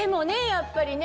やっぱりね